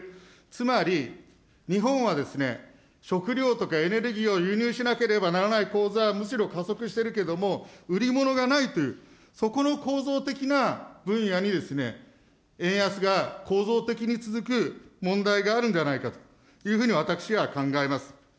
つまり、日本はですね、食料とかエネルギーを輸入しなければならない構図はむしろ加速しているけれども、売り物がないという、そこの構造的な分野にですね、円安が構造的に続く問題があるんじゃないかというふうに私は考えます。